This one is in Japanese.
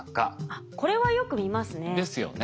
あっこれはよく見ますね。ですよね。